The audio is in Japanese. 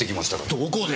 どこで！？